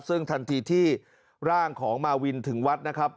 ซึ่งทันทีที่ร่างของมาวินถึงวัดนะครับ